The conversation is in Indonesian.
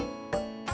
ada apa be